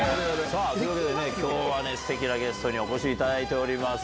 そういうわけで、きょうはね、すてきなゲストにお越しいただいております。